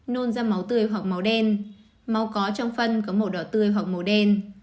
nôn ra máu tươi hoặc máu đen máu có trong phân có màu đỏ tươi hoặc màu đen